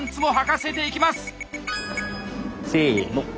せの。